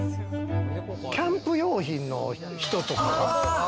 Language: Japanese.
キャンプ用品の人とか？